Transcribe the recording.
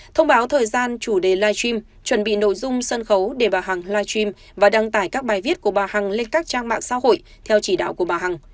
thông báo thời gian chủ đề live stream chuẩn bị nội dung sân khấu để bà hằng live stream và đăng tải các bài viết của bà hằng lên các trang mạng xã hội theo chỉ đạo của bà hằng